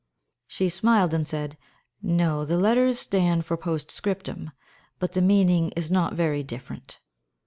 She smiled and said, "No, the letters stand for post scriptum, but the meaning is not very different."